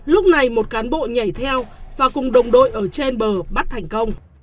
lúc này một cán bộ nhảy theo và cùng đồng đội ở trên bờ bắt thành công